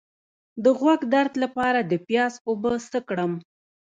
د غوږ درد لپاره د پیاز اوبه څه کړم؟